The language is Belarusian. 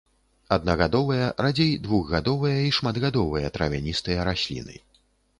Аднагадовыя, радзей двухгадовыя і шматгадовыя травяністыя расліны.